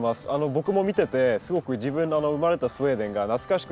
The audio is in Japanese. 僕も見ててすごく自分の生まれたスウェーデンが懐かしくなりました。